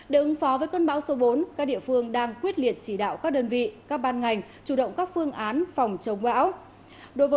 để ứng phó với cơn bão số bốn các địa phương đang quyết liệt chỉ đạo các đơn vị các ban ngành chủ động các phương án phòng chống bão